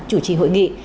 chủ trì hội nghị